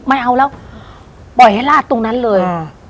ไม่เอาแล้วปล่อยให้ลาดตรงนั้นเลย